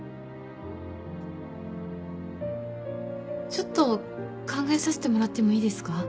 ちょっと考えさせてもらってもいいですか？